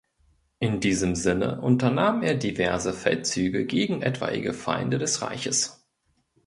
In diesem Sinne unternahm er diverse Feldzüge gegen etwaige Feinde des Reiches.